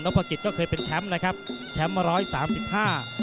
พระกิจก็เคยเป็นแชมป์นะครับแชมป์มาร้อยสามสิบห้า